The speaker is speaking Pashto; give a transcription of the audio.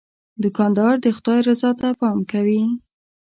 دوکاندار د خدای رضا ته پام کوي.